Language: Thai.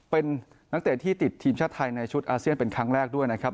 เป็นนักเตะที่ติดทีมชาติไทยในชุดอาเซียนเป็นครั้งแรกด้วยนะครับ